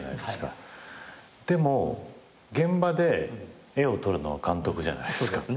でも現場で絵を撮るのは監督じゃないですか。